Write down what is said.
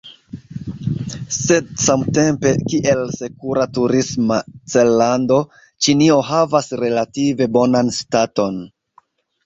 Sed samtempe, kiel sekura turisma cellando, Ĉinio havas relative bonan staton.